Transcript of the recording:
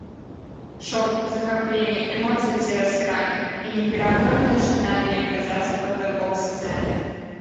Шок, захапленне, эмоцыі цераз край і непераадольнае жаданне аказацца па той бок сцэны.